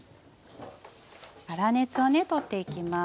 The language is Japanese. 粗熱をね取っていきます。